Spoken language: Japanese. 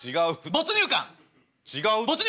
没入感。